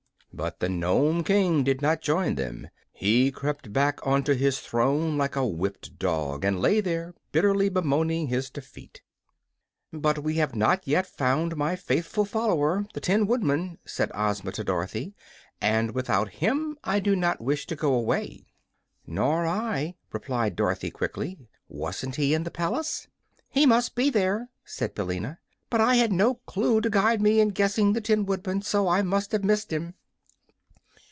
But the Nome King did not join them. He crept back onto his throne like a whipped dog, and lay there bitterly bemoaning his defeat. "But we have not yet found my faithful follower, the Tin Woodman," said Ozma to Dorothy, "and without him I do not wish to go away." "Nor I," replied Dorothy, quickly. "Wasn't he in the palace?" "He must be there," said Billina; "but I had no clue to guide me in guessing the Tin Woodman, so I must have missed him."